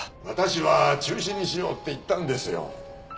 私は中止にしようって言ったんですよ。